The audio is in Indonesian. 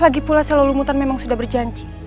lagipula sel lelumutan memang sudah berjanji